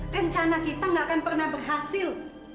rencana kita gak akan pernah berhasil